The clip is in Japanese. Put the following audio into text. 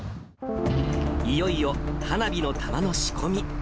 いよいよ花火の球の仕込み。